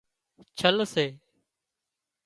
ڇل سي